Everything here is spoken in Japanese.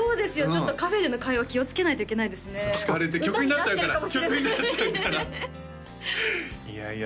ちょっとカフェでの会話気をつけないといけないですね聞かれて曲になっちゃうから歌になってるかもしれないいやいや